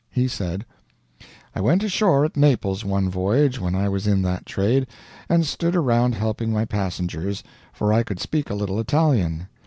He said: "I went ashore at Naples one voyage when I was in that trade, and stood around helping my passengers, for I could speak a little Italian.